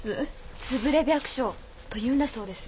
つぶれ百姓というんだそうです。